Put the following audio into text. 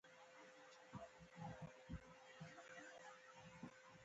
دا ګیډۍ زما حق دی باید زه یې وخورم.